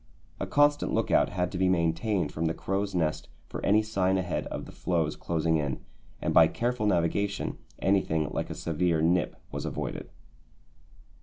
A constant look out had to be maintained from the crow's nest for any sign ahead of the floes closing in, and by careful navigation anything like a severe "nip" was avoided.